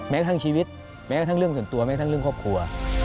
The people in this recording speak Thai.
แม้ว่าทั้งชีวิตแม้ว่าทั้งเรื่องสันตัวแม้ว่าทั้งเรื่องครอบครัว